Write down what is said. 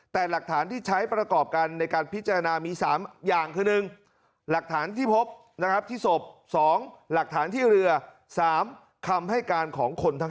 แต่หลักฐานที่ใช้ประกอบกันในการพิจารณามี๓อย่างคือ๑หลักฐานที่พบนะครับที่ศพ๒หลักฐานที่เรือ๓คำให้การของคนทั้ง